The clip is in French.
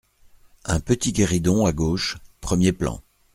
Un petit guéridon à gauche, premier plan.